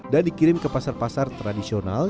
dan dikirim ke pasar pasar tradisional